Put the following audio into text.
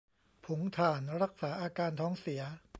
ผงถ่าน รักษาอาการท้องเสีย